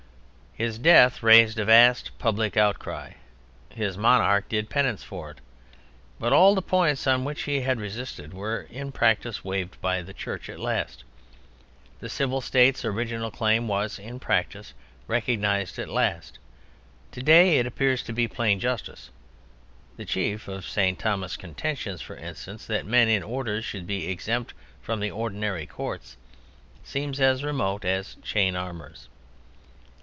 His death raised a vast public outcry. His monarch did penance for it. But all the points on which he had resisted were in practice waived by the Church at last. The civil state's original claim was in practice recognized at last. Today it appears to be plain justice. The chief of St. Thomas' contentions, for instance, that men in orders should be exempt from the ordinary courts, seems as remote as chain armors.